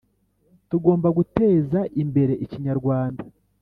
tugomba guteza imbere ikinyarwanda